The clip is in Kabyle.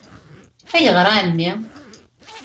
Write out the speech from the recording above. -Ayɣer a Ɛemmi?